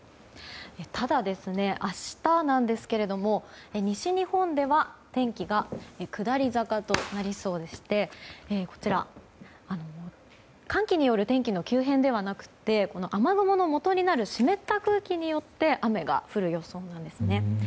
ただ、明日なんですけれども西日本では天気が下り坂となりそうでして寒気による天気の急変ではなくて雨雲のもとになる湿った空気によって雨が降る予想なんですね。